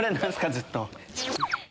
ずっと。